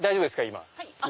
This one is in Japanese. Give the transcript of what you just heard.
今。